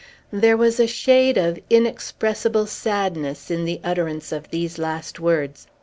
There was a shade of inexpressible sadness in the utterance of these last words.